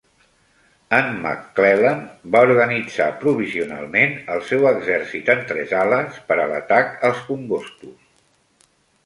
En McClellan va organitzar provisionalment el seu exèrcit en tres ales, per a l'atac als congostos.